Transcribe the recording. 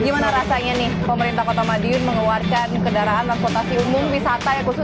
gimana rasanya nih pemerintah kota madiun mengeluarkan kendaraan transportasi umum wisata yang khusus